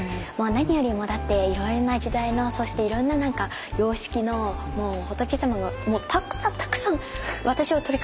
何よりもだっていろいろな時代のそしていろんな様式の仏様がもうたくさんたくさん私を取り囲んでいるんですよ。